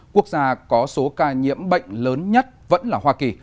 quốc gia có số ca nhiễm bệnh lớn nhất vẫn là hoa kỳ